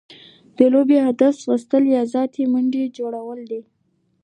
د لوبي هدف ډېر ځغستل يا زیاتي منډي جوړول دي.